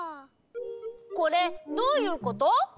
これどういうこと？